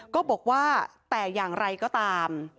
ก็บอกว่าแต่อย่างไรก็ตาม